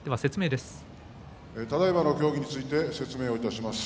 ただいまの協議について説明します。